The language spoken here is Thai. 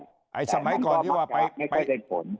แต่มันก็ไม่ค่อยเป็นผล